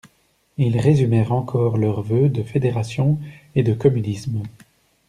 Ils résumèrent encore leurs vœux de fédération et de communisme.